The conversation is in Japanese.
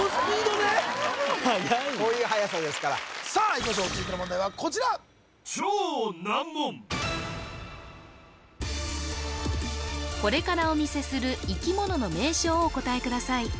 はやいこういうはやさですからさあいきましょう続いての問題はこちらこれからお見せする生き物の名称をお答えください